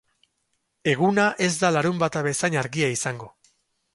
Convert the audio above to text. Eguna ez da larunbata bezain argia izango.